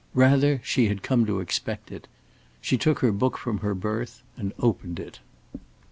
Rather she had come to expect it. She took her book from her berth and opened it.